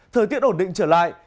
thời tiết ổn định trở lại